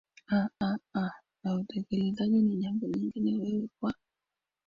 aaa na utekelezaji ni jambo lingine wewe kwa